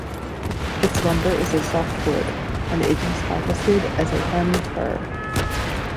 Its lumber is a softwood, and it is harvested as a hem fir.